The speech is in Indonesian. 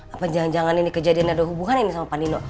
apa jangan jangan ini kejadian ada hubungan ini sama pak nino